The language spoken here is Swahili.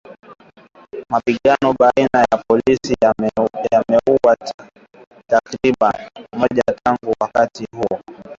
Mapigano baina ya polisi yameuwa takribani watu mia moja tangu wakati huo